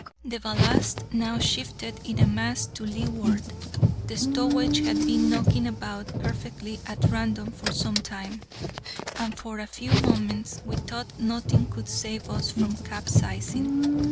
The ballast now shifted in a mass to leeward (the stowage had been knocking about perfectly at random for some time), and for a few moments we thought nothing could save us from capsizing.